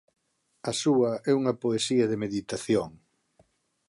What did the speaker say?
A súa é unha poesía de meditación.